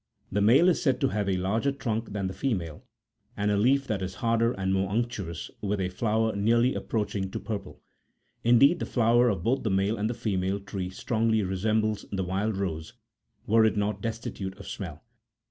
6 The male is said to have a larger trunk than the female, and a leaf that is harder and more unctuous, with a flower nearly approaching to purple : indeed, the flower of both the male and female tree strongly resembles the wild7 rose, were it not destitute of smell.